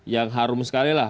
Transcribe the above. yang harum sekali lah